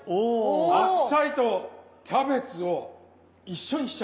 白菜とキャベツを一緒にしちゃう。